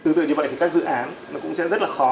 tương tự như vậy thì các dự án nó cũng sẽ rất là khó